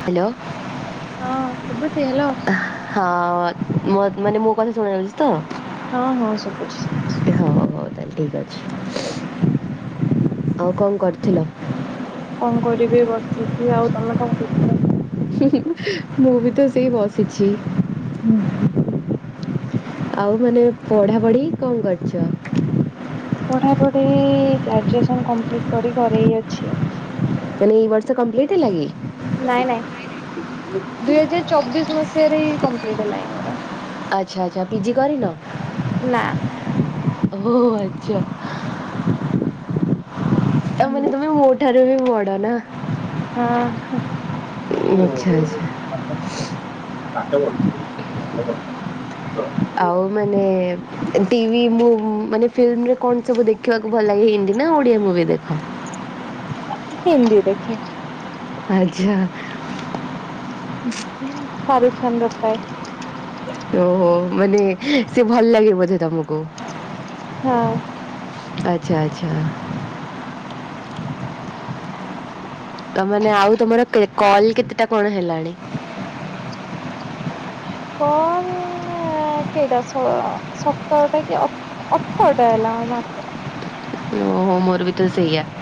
Hello ହଁ ଶୁଭୁଛି hello ହଁ, ମୋର୍ ମାନେ ମୋ କଥା ଶୁଣା ଜାଉଛିତ? ହଁ ହଁ ସୁବୁଛି ହଉ ତାହେଲେ ଠିକ୍ ଆଉ କ କରିଥିଲ? କ କରିବି ଏଇ ବସିଛି, ଆଉ ତମେ କ କରୁଛ? ହୁଁ ହୁଁ ହୁଁ ମୁଁ ବି ତ ସେଇ ବସିଛି। ହୁଁ ହୁଁ ହୁଁ। ଆଉ ମାନେ ପଢ଼ାପଢ଼ି କ କରିଛ? ପଢ଼ାପଢ଼ି ଗ୍ରାଜୁଏସନ କମ୍ପ୍ଲିଟ କରି ଘରେଇ ଅଛି। ମାନେ ଏଇ ବର୍ଷ କମ୍ପ୍ଲିଟ ହେଲା କିି? ନାଇଁ ନାଇଁ ଦୁଇ ହଜାର ଚବିଶ୍ ମସିହାରେ କମ୍ପ୍ଲିଟ ହେଲାଣି ମୋର ଆଚ୍ଛା ଆଚ୍ଛା ପିଜି କରିନ? ନା। ଓହୋ ଆଚ୍ଛା। ତା ମାନେ ତମେ ମୋଠାରୁ ବି ବଡ଼ ନା? ଆଚ୍ଛା ଆଚ୍ଛା। ହଁ! [unintelligible] ଆଉ ମାନେ ଟି ଟିଭି ମୁଁ ମାନେ ଫିଲ୍ମରେ କଣ ସବୁ ଦେଖିବାକୁ ଭଲ ଲାଗେ ହେ? ନା ଓଡ଼ିଆ ମୁଭି ଦେଖୁ? ହିନ୍ଦୀ ଦେଖେ। ଆଚ୍ଛା। ଶାରୁଖ୍ ଖାନ୍ ର ପ୍ରାଏ। ଓହୋ ମାନେ ସେ ଭଲ ଲାଗେ ବୋଧେ ତମକୁ ଆଚ୍ଛା ଆଚ୍ଛା। ତ ମାନେ ଆଉ ତମର କେ କଲ୍ କେତେଟା କଣ ହେଲାଣି? କଣ? କେଇଟା ସତରଟା କି ଅଠରଟା ହେଲା ମାତ୍ର। ଓହୋ ମୋର ବି ତ ସେଇଆ [inaudible]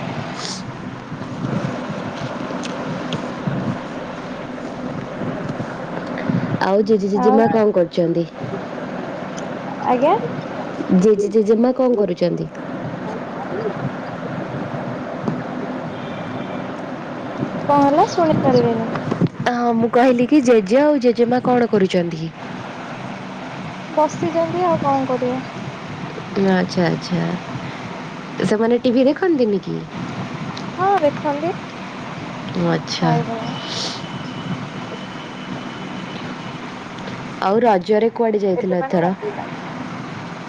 ଆଉ ଜେଜେ ଆଉ ଜେଜେମା କଣ କରୁଛନ୍ତି ଆଜ୍ଞା! ଜେ ଜେ ଜେ ଜେମା କଣ କରୁଛନ୍ତି? [inaudible] କଣ ହେଲା ଶୁଣି ପାରିଲିନି! ହଁ ମୁଁ କହିଲି କି ଜେଜେ ଆଉ ଜେଜେମା କଣ କରୁଛନ୍ତି? ବସିଛନ୍ତି ଆଉ କଣ କରିବେ। ଆଚ୍ଛା ଆଚ୍ଛା ସେମାନେ ଟିଭି ଦେଖନ୍ତିନି କିି? ହଁ ଦେଖାନ୍ତି ଓ ଆଚ୍ଛା। [inaudible] ଆଉ ରଜରେ କୁଆଡ଼େ ଏବେ ଯାଇଥିଲ ପାଇଁ ନା ଏଥର? ରାତି ପାଇଁ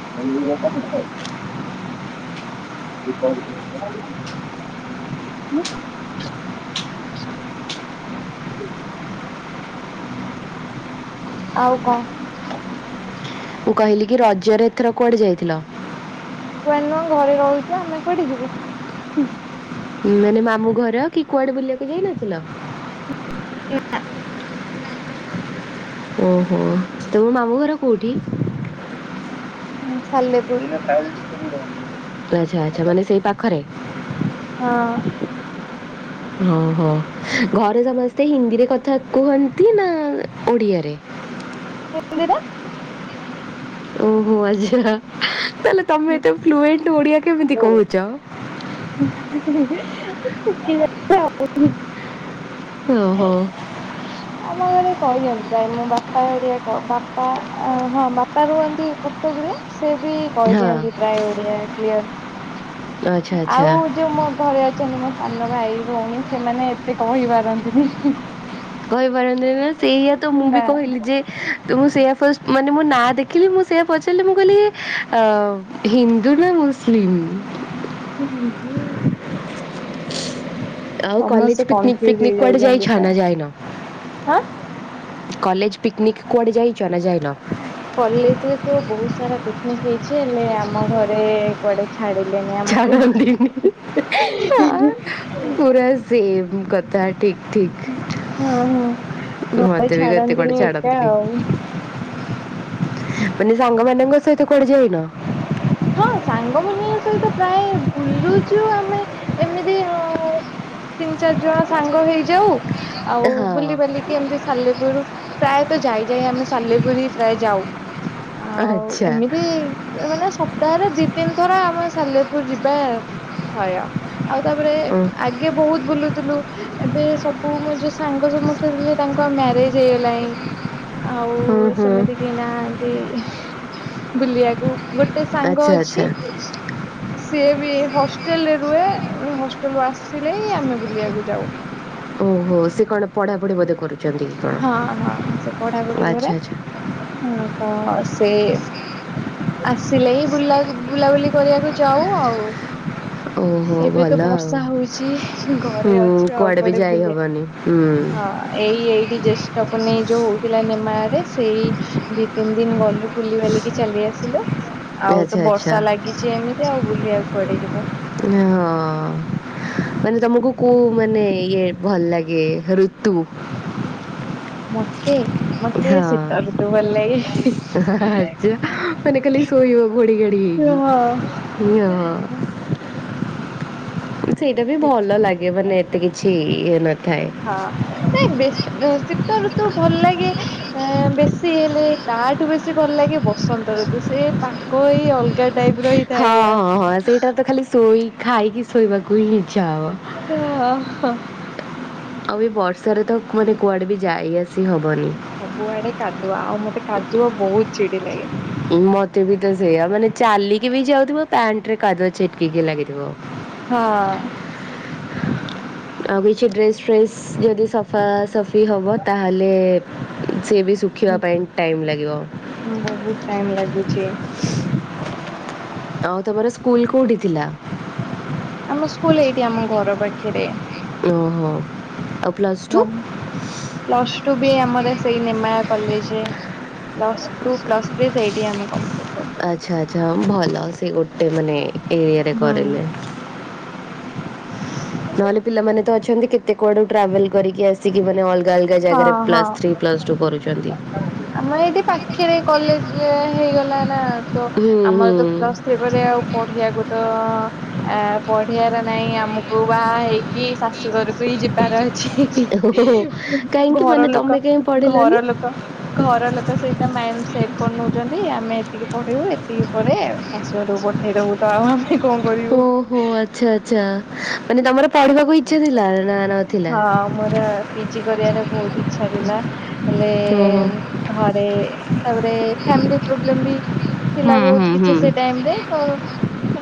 [inaudible] [inaudible] [inaudible] ଆଉ କଣ? ମୁଁ କହିଲି କି ରଜରେ ଏଥର କୁଆଡ଼େ ଯାଇଥିଲ? କୁଆଡ଼େ ନୁହଁ ଘରେ ରହୁଛୁ ଆମେ କୁଆଡେ ଯିବୁ ହୁଁ [unintelligible] ଘର କି କୁଆଡ଼େ ବୁଲିବାକୁ ଯାଇନଥିଲ? ନାଁ ଓହୋ ତମ ମାମୁଁ ଘର କୋଉଠି? ହଁ ସାଲେପୁର [unintelligible] ଆଚ୍ଛା ଆଚ୍ଛା ମାନେ ସେଇ ପାଖରେ ହଁ ହ ଘରେ ସମସ୍ତେ ହିନ୍ଦୀରେ କଥା କୁହନ୍ତି ନା ଓଡ଼ିଆରେ [unintelligible] ହିନ୍ଦୀରେ ଓହୋ ଆଚ୍ଛା ତାହଲେ ତମେ ଏତେ ଫ୍ଲୁଏଣ୍ଟ ଓଡ଼ିଆ କେମିତି କହୁଛ? [unintelligible] ମୁଁ ଶିଖିଯାଇଛି ଭାବୁଛି ଓ ହୋ ଆମ ଘରେ କହିଦିଅନ୍ତି ଯାଇ ମୋ ବାପା ଏଆ ବାପା ହଁ ବାପା ରୁହନ୍ତି କଟକରେ ସେ ବି ହଁ କହିଦିଅନ୍ତି ପ୍ରାୟ ଓଡ଼ିଆ କ୍ଲିୟର ଆଚ୍ଛା ଆଚ୍ଛା ଆଉ ଯୋଉ ମୋ ଘରେ ଅଛନ୍ତି ମୋ ସାନ ଭାଇ ଭଉଣୀ ସେମାନେ ଏତେ କହି ପାରନ୍ତିନି ହିଁ କହିପାରନ୍ତି ନା ସେଇଆ ତ ମୁଁ ବି ବା କହିଲି ଯେ ମୁଁ ସେଇଆ ଫାଷ୍ଟ ମାନେ ମୋ ନା ଦେଖି ଦେଖିଲି ମୁଁ ସେଇଆ ପଚାରିଲି ମୁଁ କହିଲି ହିନ୍ଦୁ ନା ମୁସଲିମ [inaudible] ଆଉ ସମସ୍ତେ କଲେଜ ପିକନିକ୍ କନଫ୍ୟୁଜ ଫିକନିକ୍ କୁଆଡ଼େ ହେଇଯାଉଛନ୍ତି ଯାଇଛ ନା ପ୍ରାୟ ଯାଇନ? ହଁ କଲେଜ ପିକନିକ୍ କୁଆଡ଼େ ଯାଇଚ ନା ଯାଇନ? କଲେଜରେ ତ ବହୁତ ସାରା ପିକନିକ୍ ହେଇଛି ହେଲେ ଆମ ଘରେ କୁଆଡ଼େ ଛାଡ଼ ଛାଡ଼ନ୍ତିିନି ଆ ପୁରା ସେମ୍ କଥା ଠିକ୍ ଠିକ୍ ହଁ ହଁ ମୋତେ ବି କେତେ କୁଆଡ଼େ ଛାଡନ୍ତିନି ଏକା ଛାଡନ୍ତିନି ଆଉ ମାନେ ସାଙ୍ଗମାନଙ୍କ ସହିତ କୁଆଡ଼େ ଯାଇନ? ହଁ ସାଙ୍ଗମାନଙ୍କ ସହିତ ପ୍ରାୟ ବୁଲୁଛୁ ଆମେ ଏମିତି ହଁ ତିନି ଚାରି ଜଣ ସାଙ୍ଗ ହେଇଯାଉ ଆଉ ହଁ ବୁଲି ବାଲିିକି ଏମିତି ସାଲେପୁର ପ୍ରାୟତ ଯାଇ ଯାଇ ଆମେ ସାଲେପୁର ହିଁ ପ୍ରାୟ ଯାଉ ଆଉ ଆଚ୍ଛା ଏମିତି ମାନେ ସପ୍ତାହରେ ଦି ତିନିଥର ଆମ ସାଲେପୁର ଯିବା ଥୟ ଆଉ ତାପରେ ଉଁ ଆଗେ ବହୁତ ବୁଲୁ ଥିଲୁ ଏବେ ସବୁ ମ ଯୋଉ ସାଙ୍ଗ ସମସ୍ତେ ଥିଲେ ତାଙ୍କ ମ୍ୟାରେଜ ହେଇଗଲାଣି। ଆଉ ସେମିତି କେହି ନାହାନ୍ତି ବୁଲିବାକୁ ଗୋଟେ ଗୋଟେ ସାଙ୍ଗ ଆଚ୍ଛା ଅଛି ଆଚ୍ଛା ସିଏ ବି ହଷ୍ଟେଲରେ ରୁହେ ହଷ୍ଟେଲ ରୁ ଆସିଲେ ହିଁ ଆମେ ବୁଲିବାକୁ ଯାଉ। ଓହୋ ସେ କଣ ପଢା ପଢି ବୋଧେ କରୁ ହଁ ହଁ ସେ ପଢାପଢି କରେ ଆଚ୍ଛା ଆଚ୍ଛା ତ ସେ ଆସିଲେ ହି ବୁଲା ବୁଲାବୁଲି କରିବାକୁ ଯାଉ ଆଉ ଓହୋ ଏବେ ଭଲ ତ ଆଉ। ବର୍ଷା ହଉଚି ଘରେ ହୁଁ ଅଛୁ ଆଉ ବି କୁଆଡେ ଯାଇ ବୁଲେ ହବନି ହୁଁ ହଁ ଏଇ ଏଇଠି ଜ୍ୟେଷ୍ଠ ପୁନେଇ ଯୋଉ ହଉଥିଲା ନେମା ରେ ସେଇ ଦି ତିନି ଦିନ ଗଲୁ ବୁଲି ବାଲିକି ଚାଲି ଆସିଲୁ। ହେଲୋ ଆଉ ଆଚ୍ଛା ତ ଆଚ୍ଛା ବର୍ଷା ଲାଗିଛି ଏମିତି ଆଉ ବୁଲିବାକୁୁ କୁଆଡେ ଯିବୁ ହଁ ମାନେ ତମକୁ କଉ ମାନେ ଇଏ ଭଲ ଲାଗେ ଋତୁ ମୋତେ ମୋତେ ହଁ ଶୀତ ଋତୁ ଭଲ ଲାଗେ। ଆଚ୍ଛା ମାନେ ଖାଲି ଶୋଇବ ଘୋଡି ଘାଡି ହେଇକି। [unintelligible] [unintelligible] ସେଇଟା ବି ଭଲ ଲାଗେ ମାନେ ଏତେ କିଛି ଇଏ ନଥାଏ ହଁ ନାଇଁ ବେ ଶୀତ ଋତୁ ଭଲ ଲାଗେ ବେଶୀ ହେଲେ ତାଠୁ ବେଶୀ ଭଲ ଲାଗେ ବସନ୍ତ ଋ ତୁ ସେ ପାଗ ଏଇ ଅଲଗା ଟାଇପ ର ହେଇଥାଏ ହଁ ଆଉ। ହଁ ହଁ ସେଇଟା ତ ଖାଲି ଶୋଇ ଖାଇକି ଶୋଇବାକୁ ହିଁ ଇଚ୍ଛା ହବ। ଆ ହା। ଆଉ ଏ ବର୍ଷାରେ ତ ମାନେ କୁଆଡେ ବି ଯାଇ ଆସି ହବନି। ସବୁଆଡେ କାଦୁଆ ଆଉ ମତେ କାଦୁଅ ବହୁତ ଚିଡି ଲାଗେ। ମତେ ବି ତ ସେଇଆ ମାନେ ଚାଲିକି ବି ଯାଉଥିବ ପ୍ୟାଣ୍ଟ ରେ କାଦୁଆ ଛିଟିକିକି ଲାଗିଥିବ। ହଁ। ଆଉ କିଛି ଡ୍ରେସ୍ ଫ୍ରେସ୍ ଯଦି ସଫାସଫି ହେବ ତାହେଲେ ସେ ବି ଶୁଖିବା ପାଇଁ ଟାଇମ୍ ଲାଗିବ। ହୁଁ ବହୁତୁ ଟାଇମ ଲାଗୁଛି। ଆଉ ତମର ସ୍କୁଲ କୋଉଠି ଥିଲା? ଆମ ସ୍କୁଲ ଏଇଠି ଆମ ଘର ପାଖରେ ଓହୋ ଆଉ ପ୍ଲସ୍ ଟୁ? ପ୍ଲସ ଟୁ ବି ଆମର ସେଇ ନିମାଳା କଲେଜରେ ପ୍ଲସ ଟୁ ପ୍ଲସ ଥ୍ରୀ ସେଇଠି ଆମେ କରୁ। ଆଚ୍ଛା ଆଛା ହଁ ଭଲ ସେ ଗୋଟେ ମାନେ ଏରିଆରେ ହୁଁ କରିଲେ। ନହେଲେ ପିଲାମାନେ ତ ଅଛନ୍ତି କେତେ କୁଆଡୁ ଟ୍ରାଭେଲ କରିକି ଆସିକି ମାନେ ଅ ଅଲଗା ଅଲଗା ହଁ ଜାଗାରେ ହଁ ପ୍ଲସ୍ ଥ୍ରୀ ପ୍ଲସ୍ ଟୁ କରୁଛନ୍ତି। ଖେରେ କଲେଜ ହେଇଗଲା ନା। ତ ହୁଁ ଆମର ହୁଁ ତ ପ୍ଲସ୍ ଥ୍ରୀ ପରେ ଆଉ ପଢିବାକୁ ତ ଅ ପଢିବାର ନାଇଁ ଆମକୁ ବାହା ହେଇକି ଶାଶୁଘରକୁ ହିଁ ଯିବାର ଅ ଛି ହିଁ ଓହୋ ହିଁ କାହିଁକି ଘର ମାନେ ଲୋକ ତମେ କାହିଁ ପଢିଲନି? ଘର ଲୋକ ଘର ଲୋକ ସେଇଟା ମାଇଣ୍ଡ ସେଟ୍ କରିନେଉଛନ୍ତି ଆମେ ଏତିକି ପଢ଼େଇବୁ ଏତିକି ଉପରେ ଶାଶୁଘରୁ କୁ ପଠେଇ ଦେବୁ ତ ଆ ଓହୋ ଆଚ୍ଛା ଆଚ୍ଛା ମାନେ ତମର ପଢିବାକୁ ଇଚ୍ଛା ଥିଲା ନା ନଥିଲା? ହଁ ମୋର ପିଜି କରିବାର ବହୁତୁ ଇଚ୍ଛା ଥିଲା ହେଲେ ଓହୋ ଘରେ ତାପରେ ଫାମିଲି ପ୍ରବ୍ଲେମ ବି ଥିଲା ହୁଁ ହୁଁ ବହୁତୁ ହୁଁ କିଛି ସେ ଟାଇମରେ ତ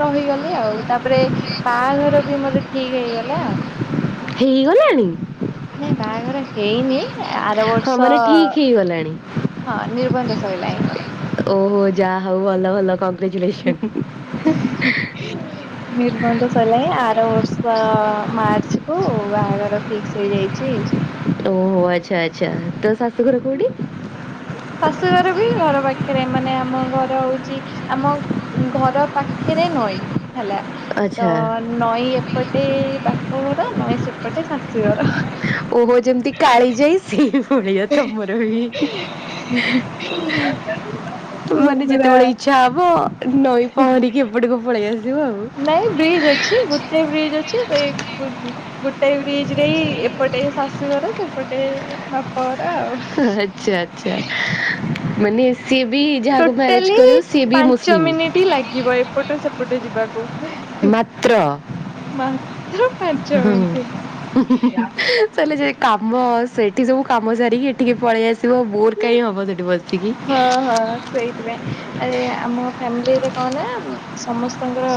ରହିଗଲି ଆଉ ତାପରେ ବାଆଘର ବି ମୋର ଠିକ ହେଇଗଲା। ହେଇଗଲାଣି। ନାଇଁ ବାହାଘର ହେଇନି ଆର ହଁ ବର୍ଷ ମାନେ ଠିକ୍ ଅ ହେଇଗଲାଣି। ହଁ ନିର୍ବନ୍ଧ ସଇଲାଇ ମୋର। ଓହୋ ଯାହା ହଉ ଭଲ ଭଲ କଂଗ୍ରେଚୁଲେସନ ନିର୍ବନ୍ଧ ସରିଲାଣି, ଆର ବର୍ଷ ମାର୍ଚ୍ଚ କୁ ବାହାଘର ଫିକ୍ସ ହେଇଯାଇଛି। ଓହୋ ଆଚ୍ଛା ଆଚ୍ଛା ତ ଶାଶୂଘର କୋଉଠି? ଶାଶୁଘର ବି ଘର ପାଖରେ ମାନେ ଆମ ଘର ହଉଛି ଆମ ଅ ଘର ପାଖରେ ନଈ। ହେଲା ତ ଆଚ୍ଛା ନଈ ଏପଟେ ବା ପ ଘର ନଈଁ ସେପଟେ ଶାଶୁଘର। ଓହୋ ଯେମିତି କାଳି ଯାଇ ସେଇ ଭଳିଆ ତମର ବି [inaudible] ମାନେ ହ ଯେତେବେଳେ ଇଚ୍ଛା ହବ ପୂରା। ନଈ ପହଁରିକି ଏପଟି ପଳେଇ ଆସିବ ଆଉ। ନାଇଁ ବ୍ରିଜ୍ ଅଛି ଗୋଟେ ବ୍ରିଜ୍ ଅଛି। ସେ ଗୋ ଗୋଟେଏ ବ୍ରିଜ ରେ ହି ଏପଟେ ଶାଶୁଘର ସେପଟେ ବାପଘର। ତ ଆଚ୍ଛା ଆଚ୍ଛା ଆଉ। ମାନେ ସିଏ ବି ଯାହାକୁ ମ୍ୟାରେଜ ଟୋଟାଲି କରିବ ସିଏ ବି ପାଞ୍ଚ ମୁସଲିମ୍। ମିନିଟ୍ ଲାଗିବ ଏପଟ ସେ ପଟେ ଯିବାକୁ। ମାତ୍ର। ମାତ୍ର ପାଞ୍ଚ ମିନିଟ୍। [unintelligible] କାମ। ସେଠି ସବୁ କାମ ସାରିକି ଏଠିକି ପଳେଇ ଆସିବ। ବୋର୍ କାହିଁ ହବ ସେଠି ବସ ହଁ ହଁ ସେଇଥିପାଇଁ, ଆରେ ଆମ ଫାମିଲିରେ କ ନା ସମସ୍ତଙ୍କର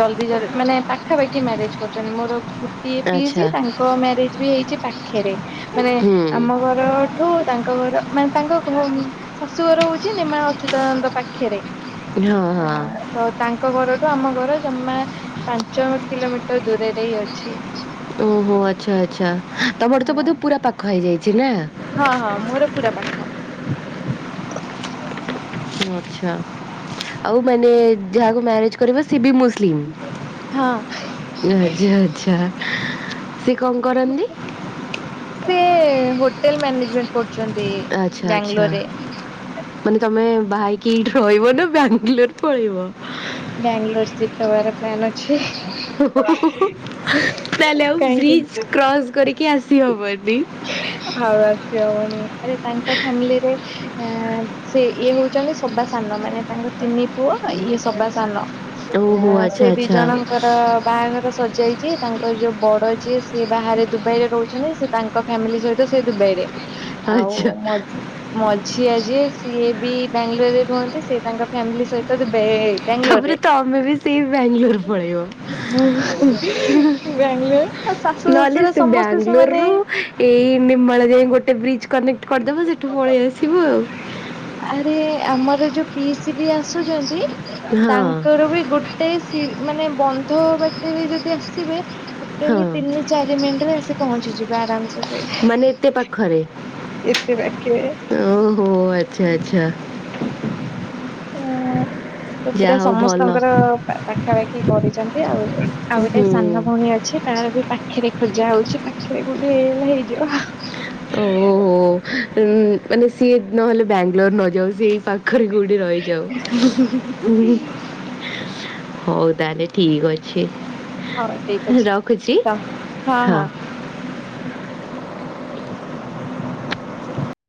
ଜଲଦି ଜଲି ମାନେ ପାଖାପାଖି ମ୍ୟାରେଜ କରୁଛନ୍ତି। ମୋର ଗୋଟିଏ ପିଇସି ଆଚ୍ଛା ତାଙ୍କ ମ୍ୟାରେଜ ବି ହେଇଛି ପାଖେରେ। ମାନେ ହୁଁ ଆମ ଘରଠୁ ତାଙ୍କ ଘର ମାନେ ତାଙ୍କ ଘ ର ଶାଶୁ ଘର ହଉଛି, ନେମାଳ ଅଚ୍ୟୁତାନନ୍ଦ ଙ୍କ ପାଖରେ ହଁ ହଁ। ଆ ତ ତାଙ୍କ ଘର ଆମ ଘର ଜମା ପାଞ୍ଚ ମ କିଲୋମିଟର ଦୂରରେ ହିଁ ଅଛି। ଓହୋ ଆଚ୍ଛା ଆଛା! ତମର ହଁ ତ ବୋଧେ ପୁରା ପାଖ ହେଇଯାଇଛି ନା? ହଁ ହଁ ମୋର ପୁରା ପାଖ। ଆଛା ଆଉ ମାନେ ଯାହାକୁ ମ୍ୟାରେଜ କରିବ ସେ ବି ମୁ ସିଲିମ୍ ହଁ ଯାହା ଯା ଯା କଣ କରନ୍ତି। ସେ ହୋଟେଲ ମାନେଜମେଣ୍ଟ କରୁଛନ୍ତି ଆଚ୍ଛା ଆଚ୍ଛା ବାଙ୍ଗଲୋରରେ। ମାନେ ତମେ ବାହେଇକି ଏଇଠି ରହିବ ନା ବାଙ୍ଗାଲୋର ପଳେଇବ? ବାଙ୍ଗଲୋର ସିପ୍ଟ ହବାର ପ୍ଲାନ୍ ଅଛି। ତାହେଲେ ଆଉ ବ୍ରିଜ କାହିଁକି କ୍ରସ କରିକି ଆସିହବନି। ଆଉ ଆସି ହବନି ଆରେ ତାଙ୍କ ଫାମିଲିରେ ଆ ସେ ଇଏ ହଉଛନ୍ତି ସବାସାନ, ମାନେ ତାଙ୍କ ତିନି ପୁଅ ଇଏ ସବାସାନ। ଓହୋ ଆଚ୍ଛା ସେ ଦି ଆଚ୍ଛା ଜଣଙ୍କର ବାହାଘର ସରିଜାଇ ଚି ତାଙ୍କର ଯୋଉ ବଡ ଯିଏ ସେ ବାହାରେ ଦୁବାଇ ରେ ରହୁଛନ୍ତି। ସେ ତାଙ୍କ ଫ୍ୟାମିଲି ସହିତ ସେ ଦୁବାଇ ରେ ଆଉ ଆଚ୍ଛା ମ ମଝିଆ ଯିଏ ସିଏ ବି ବାଙ୍ଗାଲୋର ରେ ରୁହନ୍ତି। ସେ ତାଙ୍କ ଫ୍ୟାମିଲି ସହିତ ବେ ତାପରେ ତମେ ବି ସେଇ ବେଙ୍ଗଲୋର ପଳେଇବ। ମୁଁ ବାଙ୍ଗାଲୋର ଆଉ ଶାଶୁ [inaudible] ନହେଲେ ଶ୍ୱଶୁର ସେ ସମସ୍ତେ ସେମାନେ ବାଙ୍ଗଲୋରରୁ ଏଇ ନେମାଳ ଯାଏ ଗୋଟେ ବ୍ରିଜ କନେକ୍ଟ କରିଦବ। ସେଠୁ ପଳେଇ ଆସିବୁ ଆଉ। ଆରେ ଆମର ଯୋଉ ପିଇସୀ ବି ଆସୁଛନ୍ତି। ହଁ ତାଙ୍କର ବି ଗୋଟେ ସି ମାନେ ବନ୍ଧ ବାଟରେ ଯଦି ଆସିବେ। ଟୋଟାଲି ହଁ ତିନି ଚାରି ମିନିଟରେ ଆସ ପହଞ୍ଚିଯିବା ଆରାମସେ ସେ ମାନେ ଏତେ ପାଖରେ ଏତେ ପାଖରେ ଓ ଆଚ୍ଛା ଆଛା। ହୁଁ। ତ ପୁରା ଭଲ ସମସ୍ତଙ୍କର ପାଖାପାଖି କରିଛନ୍ତି ଆଉ। ଆଉ ଗୋଟେ ହୁଁ ସାନ ଭଉଣୀ ଅଛି ତାର ବି ପାଖରେ ଖୋଜା ହଉଛି। ପାଖରେ କୋଉଠି ହେଇଗଲେ ହେଇଯିବ ଓହୋ ଉ ମାନେ ସିଏ ନହେଲେ ବାଙ୍ଗଲୋର ନ ଯାଉ ସେ ପାଖରେ କଉଠି ରହିଯାଉ ହଉ ତାହେଲେ ଠିକ ଅଛି। ହଉ ଠିକ ଅଛି ରଖୁଛି ତ ହଁ।